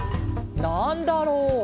「なんだろう？」